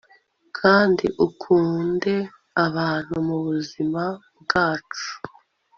kandi ukunde abantu mubuzima bwacu